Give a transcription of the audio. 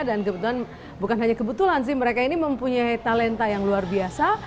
dan kebetulan bukan hanya kebetulan sih mereka ini mempunyai talenta yang luar biasa